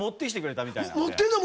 持ってんの？